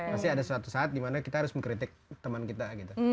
pasti ada suatu saat dimana kita harus mengkritik teman kita gitu